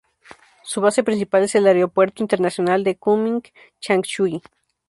Su base principal es el Aeropuerto Internacional de Kunming-Changshui.